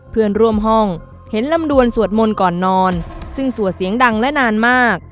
เพื่อนร่วมห้องเห็นลำดวนสวดมนต์ก่อนนอนซึ่งสวดเสียงดังและนานมาก